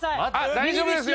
大丈夫ですよ。